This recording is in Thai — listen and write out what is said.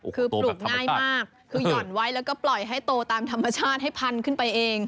คือปลูกง่ายมากคือหย่อนไว้แล้วก็ปล่อยให้โตตามธรรมชาติให้พันขึ้นไปเอง